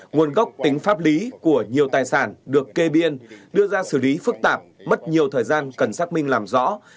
nguồn gốc tính pháp lý của nhiều tài sản được kê biên đưa ra xử lý phức tạp mất nhiều thời gian cần xác minh làm rõ